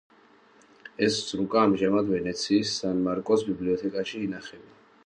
ეს რუკა ამჟამად ვენეციის სან-მარკოს ბიბლიოთეკაში ინახება.